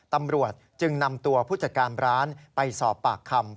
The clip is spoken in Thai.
ตำรวจจึงนำตัวผู้จัดการร้านไปสอบปากคำ